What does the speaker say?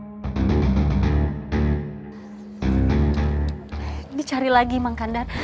ini cari lagi bang kandar